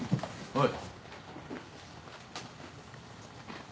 おい。